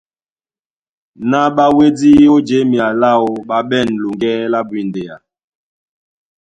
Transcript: Ná ɓá wédí ó jěmea láō, ɓá ɓɛ̂n loŋgɛ́ lá bwindea.